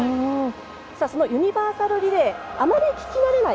そのユニバーサルリレーあまり聞き慣れない